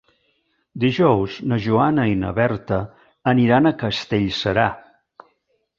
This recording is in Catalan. Dijous na Joana i na Berta aniran a Castellserà.